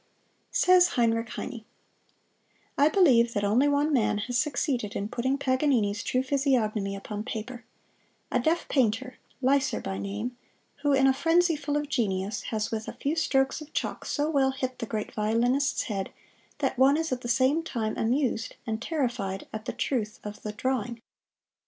Says Heinrich Heine: I believe that only one man has succeeded in putting Paganini's true physiognomy upon paper a deaf painter, Lyser by name, who, in a frenzy full of genius, has with a few strokes of chalk so well hit the great violinist's head that one is at the same time amused and terrified at the truth of the drawing.